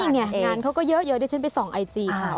นี่ไงงานเขาก็เยอะที่ฉันไปส่องไอจีเขา